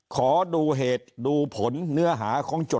ขอดูเหตุดูผลเนื้อหาของโจท